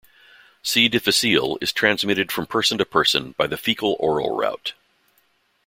"C. difficile" is transmitted from person to person by the fecal-oral route.